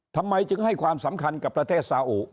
ทำไมจึงให้ความสำคัญกับประเทศซาอุ